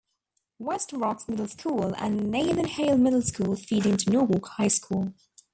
West Rocks Middle School and Nathan Hale Middle School feed into Norwalk High School.